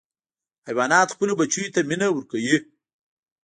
حیوانات خپلو بچیو ته مینه ورکوي.